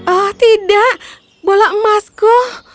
ah tidak bola emasku